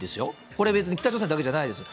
これ、別に北朝鮮だけじゃないです。